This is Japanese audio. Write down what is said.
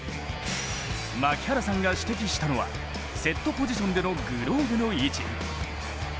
槙原さんが指摘したのはセットポジションでのグローブの位置。